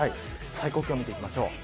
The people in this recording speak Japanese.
最高気温、見ていきましょう。